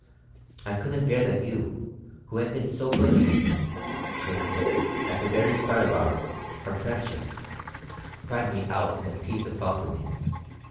I couldn't bear that you, who had been so good to me, should, at the very start of our our friendship, find me out in a piece of falsity.